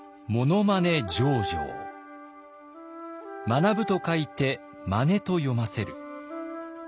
「学ぶ」と書いて「まね」と読ませる。